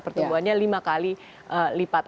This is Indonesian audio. pertumbuhannya lima kali lipat